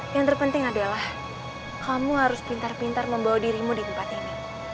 yang terpenting adalah kamu harus pintar pintar membawa dirimu di tempat ini